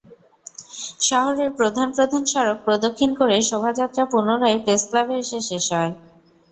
শহরের প্রধান প্রধান সড়ক প্রদক্ষিণ করে শোভাযাত্রা পুনরায় প্রেসক্লাবে এসে শেষ হয়।